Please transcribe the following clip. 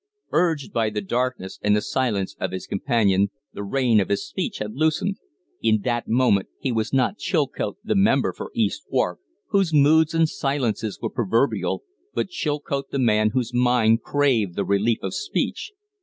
Urged by the darkness and the silence of his companion, the rein of his speech had loosened. In that moment he was not Chilcote the member for East Wark, whose moods and silences were proverbial, but Chilcote the man whose mind craved the relief of speech.